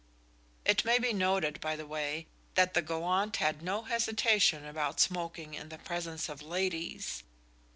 It may be noted, by the way, that the gallant had no hesitation about smoking in the presence of ladies.